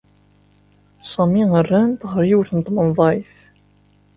Sami rran-t ɣer yiwet n tmenḍayt.